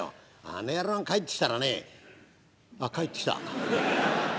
あの野郎が帰ってきたらねあっ帰ってきた」。